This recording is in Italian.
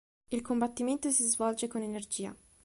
Il combattimento si svolge con energia.